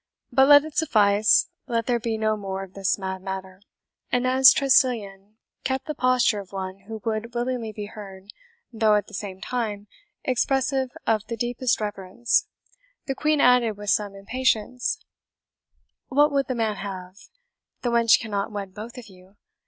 But let it suffice let there be no more of this mad matter." And as Tressilian kept the posture of one who would willingly be heard, though, at the same time, expressive of the deepest reverence, the Queen added with some impatience, "What would the man have? The wench cannot wed both of you?